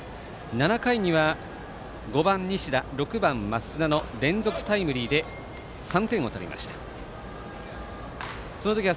７回には５番西田、６番増田の連続タイムリーで３点を取りました。